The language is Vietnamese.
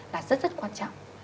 là rất rất quan trọng